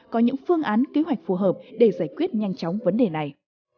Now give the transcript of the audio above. có những phương án kế hoạch phù hợp để giải quyết nhanh chóng vấn đề này